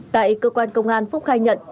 tại cơ quan công an phúc khai nhận